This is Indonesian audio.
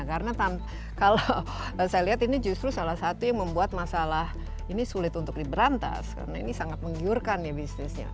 karena kalau saya lihat ini justru salah satu yang membuat masalah ini sulit untuk diberantas karena ini sangat menggiurkan ya bisnisnya